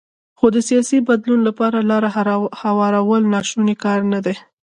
خو د سیاسي بدلون لپاره لاره هوارول ناشونی کار نه دی.